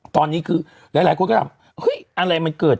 ตอนนี้คือหลายคนก็ถามเฮ้ยอะไรมันเกิด